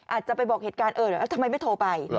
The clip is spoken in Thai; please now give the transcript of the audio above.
อาจจะไปบอกเหตุการณ์เออเดี๋ยวทำไมไม่โทรไป